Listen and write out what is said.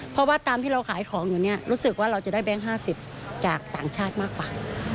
เพราะว่าตามที่เราขายของอยู่เนี่ยรู้สึกว่าเราจะได้แบงค์๕๐จากต่างชาติมากกว่า